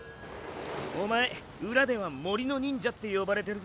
おまえ裏では「森の忍者」って呼ばれてるぞ。